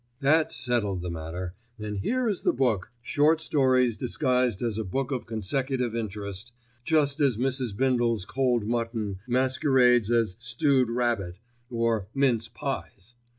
That settled the matter, and here is the book, short stories disguised as a book of consecutive interest, just as Mrs. Bindle's cold mutton masquerades as "stewed rabbit" or "mince pies."